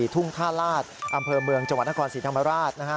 ทุ่งท่าลาศอำเภอเมืองจังหวัดนครศรีธรรมราช